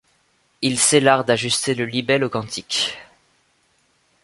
Il sait l'art d'ajuster le libelle au cantique ;